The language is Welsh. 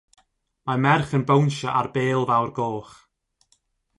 Mae merch yn bownsio ar bêl fawr goch.